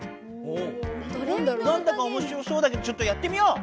何だかおもしろそうだけどちょっとやってみよう！